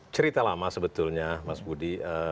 cerita lama sebetulnya mas budi